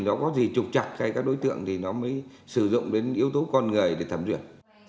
nó có gì trục chặt hay các đối tượng thì nó mới sử dụng đến yếu tố con người để thẩm duyệt